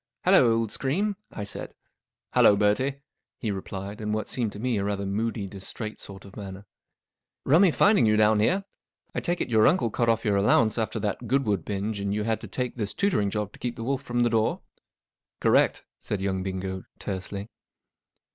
'Hallo, old scream," I said. <§ Hallo, Bertie," he replied, in what seemed to me rather a moody, distrait sort of manner. '• Rummy finding you down here. I take it your uncle cut off your allowance after that Goodwood binge and you had to take this tutoring job to keep the wolf from the door ?"" Correct," said young Bingo, tersely.